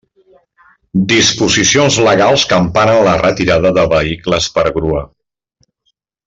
Disposicions legals que emparen la retirada de vehicles per grua.